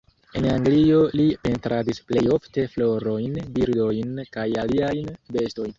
En Anglio li pentradis plej ofte florojn, birdojn kaj aliajn bestojn.